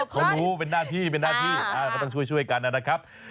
เป็นหน้าที่ต้องช่วยกันนะครับ